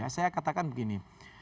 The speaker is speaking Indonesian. saya katakan begini